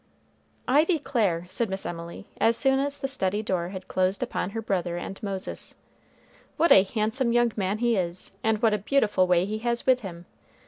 "I declare," said Miss Emily, as soon as the study door had closed upon her brother and Moses, "what a handsome young man he is! and what a beautiful way he has with him!